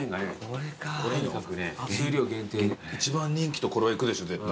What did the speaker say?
一番人気とこれはいくでしょ絶対。